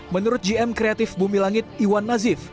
menurut gm kreatif bumi langit iwan nazif